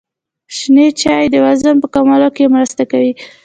شنې چايي د وزن په کمولو کي مرسته کوي.